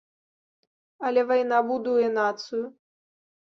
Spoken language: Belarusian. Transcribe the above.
Але вайна будуе нацыю.